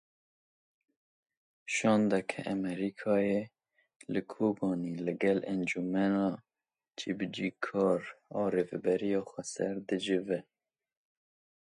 Şandeke Amerîkayê li Kobanî li gel Encûmena Cîbicîkar a Rêveberiya Xweser dicive.